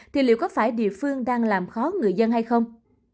thì liệu có phải địa phương đang làm khó người dân hay không